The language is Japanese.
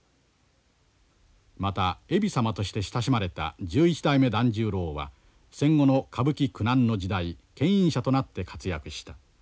また海老様として親しまれた十一代目團十郎は戦後の歌舞伎苦難の時代牽引者となって活躍した。